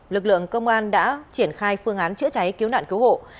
lực lượng công an đã triển khai phương án chữa cháy cứu nạn cứu hộ